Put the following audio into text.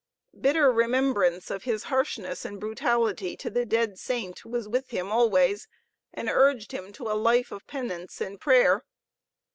Bitter remembrance of his harshness and brutality to the dead saint was with him always and urged him to a life of penance and prayer.